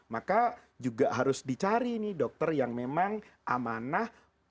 maka juga harus dicari nih dokter yang memang amanah